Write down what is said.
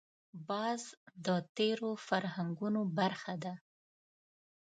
باز د تېرو فرهنګونو برخه ده